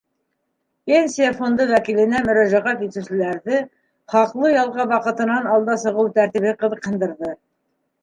Пенсия фонды вәкиленә мөрәжәғәт итеүселәрҙе хаҡлы ялға ваҡытынан алда сығыу тәртибе ҡыҙыҡһындырҙы.